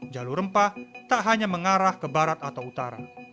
jalur rempah tak hanya mengarah ke barat atau utara